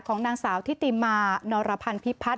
ของนางสาวทิติมานรพันธิพัฒน